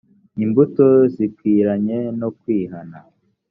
imbuto zikwiranye no kwihana